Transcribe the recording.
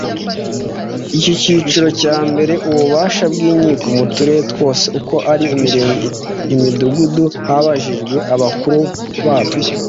icyiciro cya mbere ububasha bw inkiko mu turere twose uko ari imirenge imidugudu habajijwe abakuru batwo.